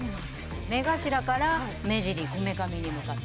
目頭から目尻こめかみに向かって。